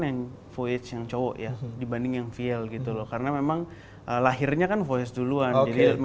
jadi kira kira kalau lady vw courageous tsuncu kacau kembosword pertanda perala cesuriemu